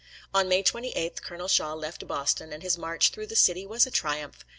On May 28, Colonel Shaw left Boston, and his march through the city was a triumph.